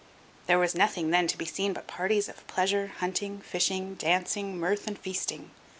There was nothing then to be seen but parties of pleasure, hunting, fishing, dancing, mirth, and feasting.